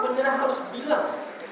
menyerah harus bilang